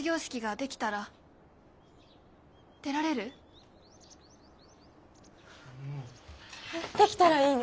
できたらいいね。